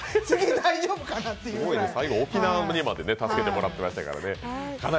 最後、沖縄にまで助けてもらいましたからね。